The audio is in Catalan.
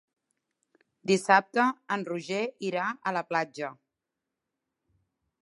Dissabte en Roger irà a la platja.